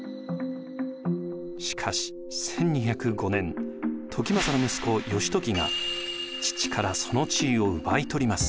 しかし１２０５年時政の息子義時が父からその地位を奪い取ります。